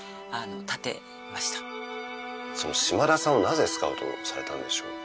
建てました島田さんをなぜスカウトされたんでしょう